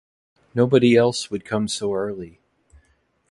Nobody else would come so early.